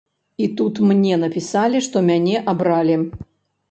І тут мне напісалі, што мяне абралі!